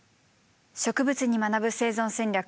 「植物に学ぶ生存戦略」。